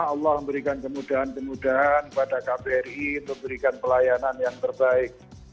allah memberikan kemudahan kemudahan kepada kbri untuk memberikan pelayanan yang terbaik